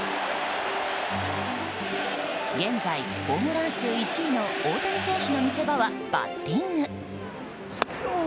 現在、ホームラン数１位の大谷選手の見せ場はバッティング。